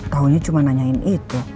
kaunya cuma nanyain itu